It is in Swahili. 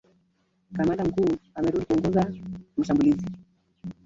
Kamanda mkuu amerudi kuongoza mashambulizi